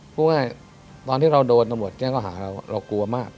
พูดง่ายตอนที่เราโดนตำรวจแจ้งเขาหาเราเรากลัวมาก